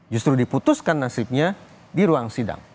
justru diputuskan nasibnya di ruang sidang